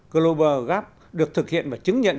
global gap được thực hiện và chứng nhận